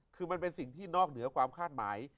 คือมันเป็นสิ่งที่นอกเหนือความคาดหมาย